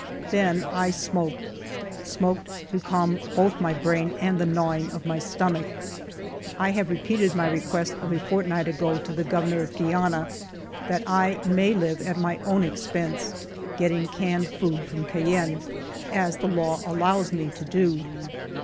Then I smoked, — smoked to calm both my brain and the gnawing of my stomach. I have repeated my request of a fortnight ago to the Governor of Guiana, that I may live at my own expense, getting canned food from Cayenne, as the law allows me to do.